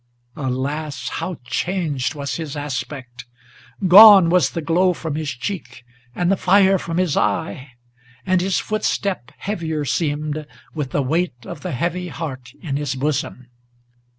Alas! how changed was his aspect! Gone was the glow from his cheek, and the fire from his eye, and his footstep Heavier seemed with the weight of the heavy heart in his bosom.